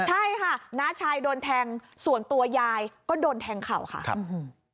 ใช่ค่ะน้าชายโดนแทงส่วนตัวยายก็โดนแทงเข่าค่ะครับ